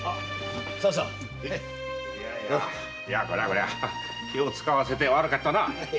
こりゃ気を遣わせて悪かったな。